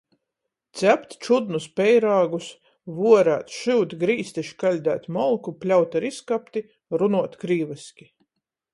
Cept čudnus peirāgus, vuoreit, šyut, grīzt i škaļdeit molku, pļaut ar izkapti, runuot krīviski.